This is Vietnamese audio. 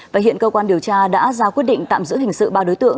và hiện cơ quan điều tra đã ra quyết định tạm giữ hình sự ba đối tượng